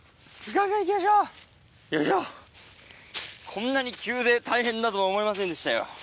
こんなに急で大変だとは思いませんでしたよ。